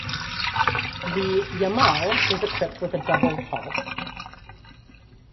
The "Yamal" is equipped with a double hull.